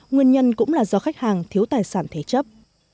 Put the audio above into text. nguyên nhân cũng là do khách hàng thiếu tài sản thế chấp